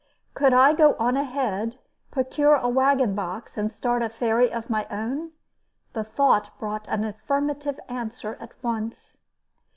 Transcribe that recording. Could I go on ahead, procure a wagon box, and start a ferry of my own? The thought brought an affirmative answer at once.